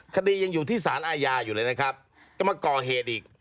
คดียังอยู่ที่สารอาญาอยู่เลยนะครับก็มาก่อเหตุอีก